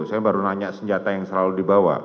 saya baru nanya senjata yang selalu di bawah